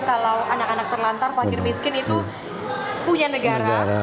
kalau anak anak terlantar fakir miskin itu punya negara